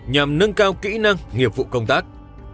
nhằm nâng cao kỹ năng nghiệp vụ công tác